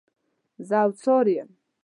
زه اوڅار یم.